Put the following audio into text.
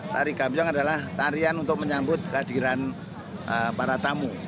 tari gambiong adalah tarian untuk menyambut kehadiran para tamu